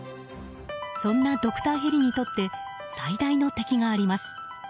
そんなドクターヘリにとって最大の敵があります。